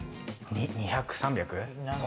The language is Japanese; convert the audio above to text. ２００、３００？